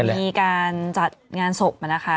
ค่ะก็มีการจัดงานศพมานะคะ